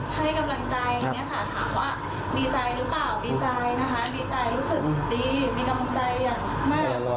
ทุกคนก็ต้องรวมให้กำลังใจเช่นเดียวกันนะคะ